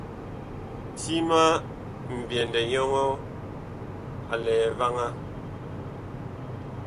Ti ma ŋmbyɛndɛ nyɔŋɔɔ a lɛ vaŋaa.